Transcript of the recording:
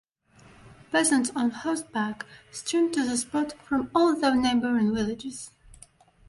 Peasants on horseback streamed to the spot from all the neighboring villages.